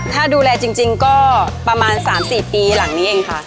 ถ้าดูแลจริงก็ประมาณ๓๔ปีหลังนี้เองค่ะ